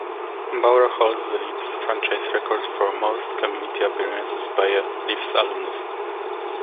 Bower holds the Leafs franchise record for most community appearances by a Leafs alumnus.